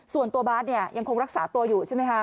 ส่วนตัวบาสยังคงรักษาตัวอยู่ใช่ไหมครับ